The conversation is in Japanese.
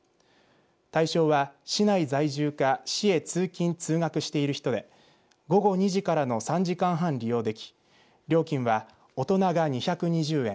対象は市内在住か市へ通勤、通学している人で午後２時からの３時間半利用でき料金は大人が２２０円